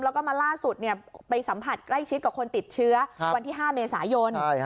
แล้วก็มาล่าสุดไปสัมผัสใกล้ชิดกับคนติดเชื้อวันที่๕เมษายน